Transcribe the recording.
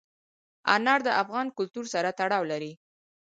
انار د افغان کلتور سره تړاو لري.